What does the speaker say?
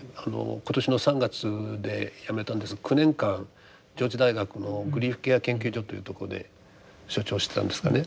今年の３月で辞めたんですが９年間上智大学のグリーフケア研究所というところで所長してたんですがね